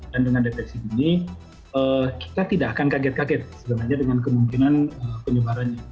dengan deteksi dini kita tidak akan kaget kaget sebenarnya dengan kemungkinan penyebarannya